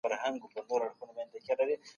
ولي ځينې خلګ ځان ته زيان رسوي؟